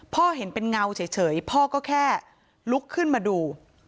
เห็นเป็นเงาเฉยพ่อก็แค่ลุกขึ้นมาดู